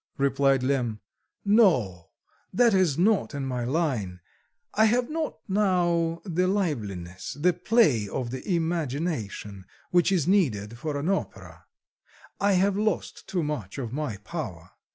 replied Lemm; "no, that is not in my line; I have not now the liveliness, the play of the imagination, which is needed for an opera; I have lost too much of my power...